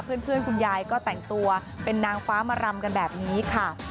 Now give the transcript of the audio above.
เพื่อนคุณยายก็แต่งตัวเป็นนางฟ้ามารำกันแบบนี้ค่ะ